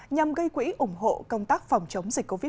nhằm gây quỹ ủng hộ công tác phòng chống dịch covid một mươi